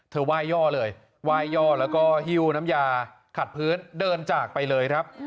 ไหว้ยย่อเลยไหว้ย่อแล้วก็หิ้วน้ำยาขัดพื้นเดินจากไปเลยครับ